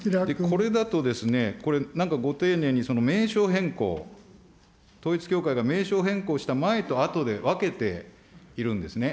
これだとですね、これ、なんかご丁寧に名称変更、統一教会が名称変更した前と後で分けているんですね。